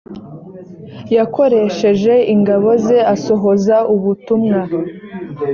yakoresheje ingabo ze asohoza ubutumwa